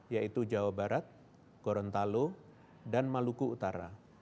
yaitu jawa barat gorontalo dan maluku utara